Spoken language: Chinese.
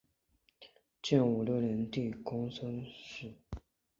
建武六年帝公孙述。